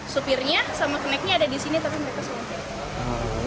supirnya sama keneknya ada di sini tapi mereka semua di atas